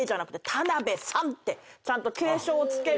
「田辺さん」ってちゃんと敬称を付けると。